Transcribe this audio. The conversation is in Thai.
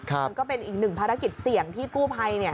มันก็เป็นอีกหนึ่งภารกิจเสี่ยงที่กู้ภัย